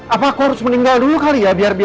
apa kau harus meninggal dulu kali ya